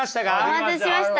お待たせしました。